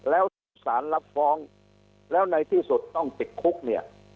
แล้วสารรับฟ้องแล้วในที่สุดต้องติดคุกเนี่ย